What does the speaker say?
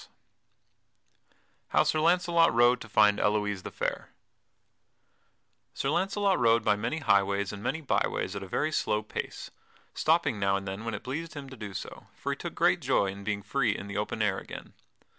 _ [Sidenote: How Sir Launcelot rode to find Elouise the Fair] Sir Launcelot rode by many highways and many byways at a very slow pace, stopping now and then when it pleased him to do so, for he took great joy in being free in the open air again.